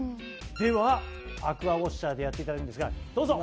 ではアクアウォッシャーでやっていただくんですがどうぞ！